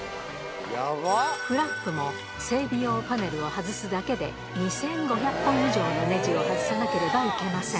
フラップも整備用パネルを外すだけで、２５００本以上のねじを外さなければいけません。